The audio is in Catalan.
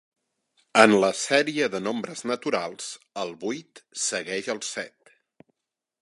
En la sèrie dels nombres naturals, el vuit segueix el set.